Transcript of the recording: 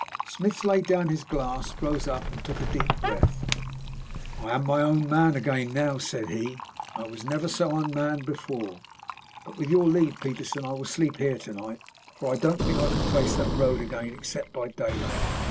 Smith laid down his glass, rose up, and took a deep breath. "I am my own man again now," said he. "I was never so unmanned before. But, with your leave, Peterson, I will sleep here to night, for I don't think I could face that road again except by daylight.